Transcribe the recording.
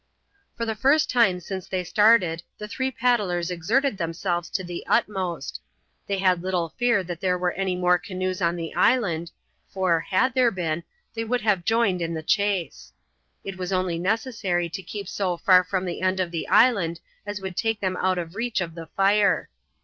For the first time since they started the three paddlers exerted themselves to the utmost. They had little fear that there were any more canoes on the island, for, had there been, they would have joined in the chase. It was only necessary to keep so far from the end of the island as would take them out of reach of the fire.